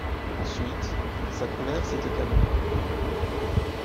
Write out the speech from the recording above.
Ensuite, sa colère s’était calmée.